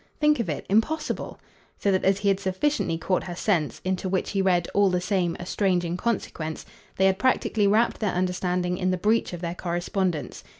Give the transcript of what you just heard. Think of it. Impossible." So that as he had sufficiently caught her sense into which he read, all the same, a strange inconsequence they had practically wrapped their understanding in the breach of their correspondence.